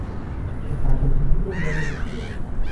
Para conseguirlo hay varías opciones.